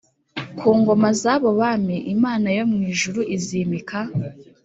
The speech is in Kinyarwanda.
ku ngoma z abo bami Imana yo mu ijuru izimika